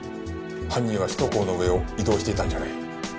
犯人は首都高の上を移動していたんじゃない。